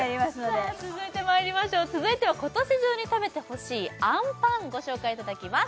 続いてまいりましょう続いては今年中に食べてほしいあんパンご紹介いただきます